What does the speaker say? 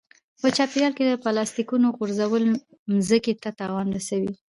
په چاپیریال کې د پلاستیکونو غورځول مځکې ته تاوان رسوي.